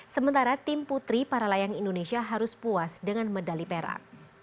sementara tim putri para layang indonesia harus puas dengan medali perak